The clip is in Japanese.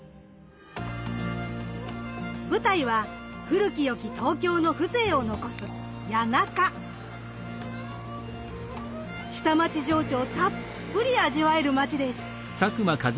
舞台は古き良き東京の風情を残す下町情緒をたっぷり味わえる街です。